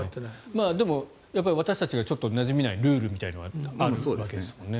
でも、私たちがなじめないルールみたいなのはあるわけですよね。